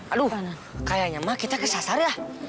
aduh kayanya ma kita kesasar ya